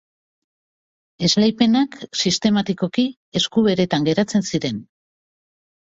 Esleipenak sistematikoki esku beretan geratzen ziren.